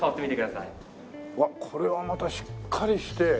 うわっこれはまたしっかりして。